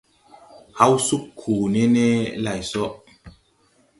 Haw sug koo ne ne lay so.